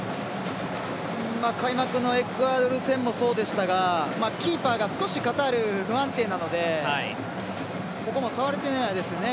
開幕のエクアドル戦もそうでしたがキーパーが少しカタール不安定なのでここも触れてないですね